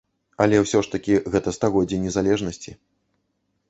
Але, усё ж такі, гэта стагоддзе незалежнасці.